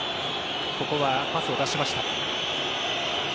ここはパスを出しました。